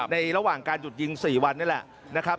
ระหว่างการหยุดยิง๔วันนี่แหละนะครับ